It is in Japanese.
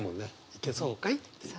「行けそうかい？」っていう。